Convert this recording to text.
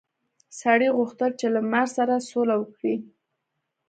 سړي غوښتل چې له مار سره سوله وکړي.